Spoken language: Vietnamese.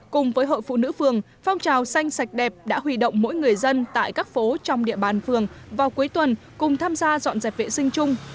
cùng với hội phụ nữ phường phong trào xanh sạch đẹp đã hủy động mỗi người dân tại các phố trong địa bàn phường vào cuối tuần cùng tham gia dọn dẹp vệ sinh chung